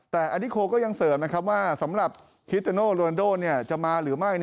แต่อนิโคก็ยังเสริมนะครับว่าสำหรับคิโตโน่โรนันโดจะมาหรือไม่